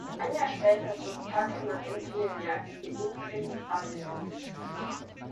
Ein Jahr später zog Tacke nach Imperia in Ligurien, Italien, um.